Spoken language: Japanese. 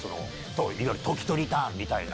いわゆる凱人リターンみたいな。